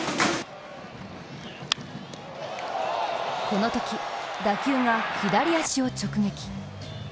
このとき、打球が左足を直撃。